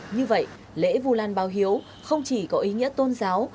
như vậy lễ vu lan báo hiếu không chỉ có ý nghĩa tôn giáo